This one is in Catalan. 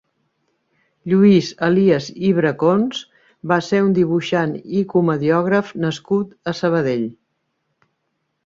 Lluís Elias i Bracons va ser un dibuixant i comediògraf nascut a Sabadell.